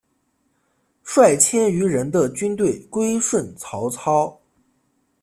率千余人的军队归顺曹操。